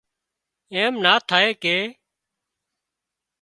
ايم نا ٿائي ڪي